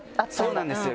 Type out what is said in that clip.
そうなんですよ